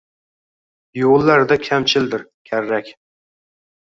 Yo‘llarida kamchildir karrak